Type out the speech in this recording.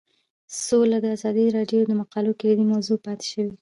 سوله د ازادي راډیو د مقالو کلیدي موضوع پاتې شوی.